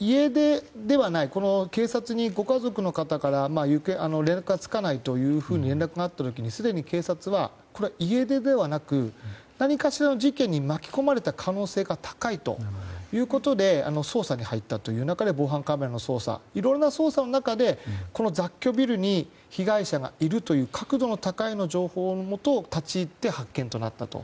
警察にご家族の方から連絡がつかないというふうに連絡があった時すでに警察は家出ではなく何かしらの事件に巻き込まれた可能性が高いということで捜査に入ったという中で防犯カメラの捜査いろいろな捜査の中で雑居ビルの中に被害者がいるという確度の高い情報のもと立ち入って、発見となったと。